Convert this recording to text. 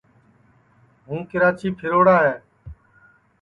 ہُوں کِراچی پھروڑا ہے